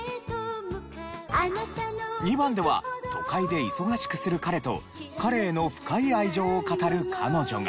２番では都会で忙しくする彼と彼への深い愛情を語る彼女が。